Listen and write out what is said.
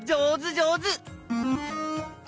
じょうず！